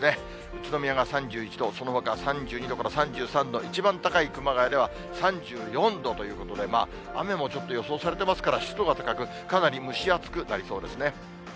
宇都宮が３１度、そのほか３２度から３３度、一番高い熊谷では３４度ということで、雨もちょっと予想されてますから、湿度が高く、かなり蒸し暑くなりそうですね。